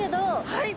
はい。